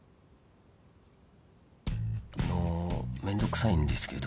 あのめんどくさいんですけど